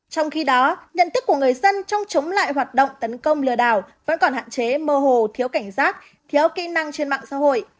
trong khi đó nhận thức của người dân trong chống lại hoạt động tấn công lừa đảo vẫn còn hạn chế mơ hồ thiếu cảnh giác thiếu kỹ năng trên mạng xã hội